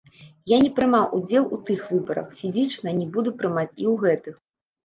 Я не прымаў удзел у тых выбарах, фізічна, не буду прымаць і ў гэтых.